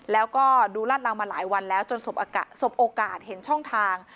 แล้วก็ดูลาดลาวมาหลายวันแล้วจนสบโอกาสเห็นช่องทาง